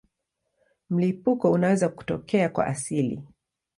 Mlipuko unaweza kutokea kwa asili.